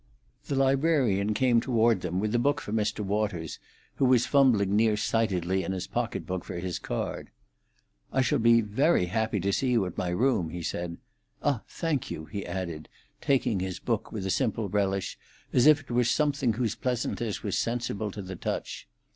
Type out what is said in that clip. The librarian came toward them with the book for Mr. Waters, who was fumbling near sightedly in his pocket book for his card. "I shall be very happy to see you at my room," he said. "Ah, thank you," he added, taking his book, with a simple relish as if it were something whose pleasantness was sensible to the touch.